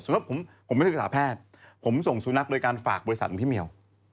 สมมติผมไม่ใช่ศาสตร์แพทย์ผมส่งสูญนักโดยการฝากบริษัทของพี่เมียว